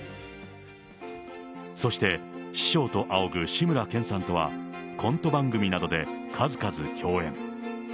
そして、師匠と仰ぐ志村けんさんとは、コント番組などで数々共演。